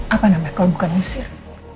apa namanya kalau bukan mesir